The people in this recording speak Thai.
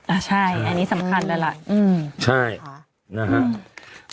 อ่าใช่อันนี้สำคัญเลยล่ะอืมใช่ค่ะนะฮะ